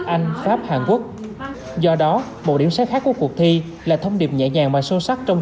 anh pháp hàn quốc do đó một điểm sáng khác của cuộc thi là thông điệp nhẹ nhàng và sâu sắc trong